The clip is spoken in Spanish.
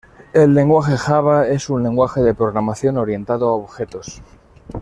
El lenguaje Java es un lenguaje de programación orientado a objetos.